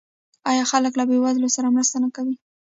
آیا خلک له بې وزلو سره مرسته نه کوي؟